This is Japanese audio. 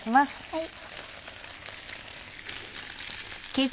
はい。